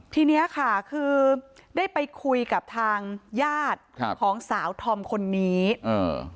ทีเนี้ยค่ะคือได้ไปคุยกับทางญาติครับของสาวธอมคนนี้อ่า